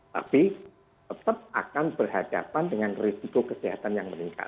tapi tetap akan berhadapan dengan risiko kesehatan yang meningkat